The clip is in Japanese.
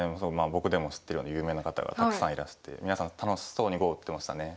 僕でも知ってるような有名な方がたくさんいらしてみなさん楽しそうに碁を打ってましたね。